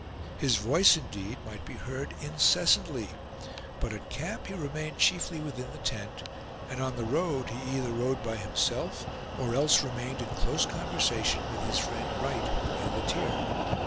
His voice, indeed, might be heard incessantly; but at camp he remained chiefly within the tent, and on the road he either rode by himself, or else remained in close conversation with his friend Wright, the muleteer.